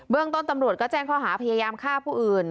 เรื่องต้นตำรวจก็แจ้งข้อหาพยายามฆ่าผู้อื่น